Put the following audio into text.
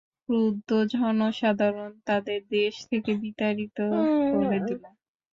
ক্রুদ্ধ জনসাধারণ তাদের দেশ থেকে বিতাড়িত করে দিল।